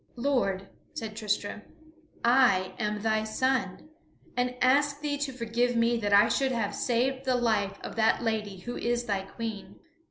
"Lord," said Tristram, "I am thy son, and ask thee to forgive me that I should have saved the life of that lady who is thy Queen."